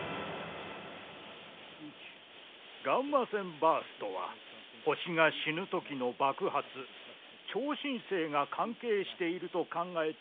ガンマ線バーストは星が死ぬときの爆発超新星が関係していると考えていました。